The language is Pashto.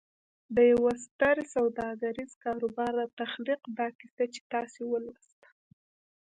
د يوه ستر سوداګريز کاروبار د تخليق دا کيسه چې تاسې ولوسته.